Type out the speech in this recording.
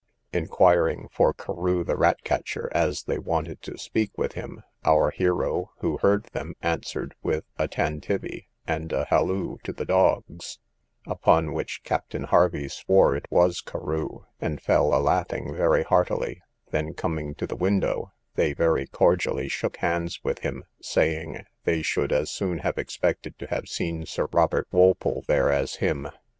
Inquiring for Carew, the rat catcher, as they wanted to speak with him; our hero, who heard them, answered with a tantivy, and a halloo to the dogs; upon which Captain Hervey swore it was Carew, and fell a laughing very heartily, then coming to the window, they very cordially shook hands with him, saying, they should as soon have expected to have seen Sir Robert Walpole there as him.